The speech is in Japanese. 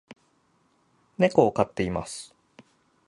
猫を飼っています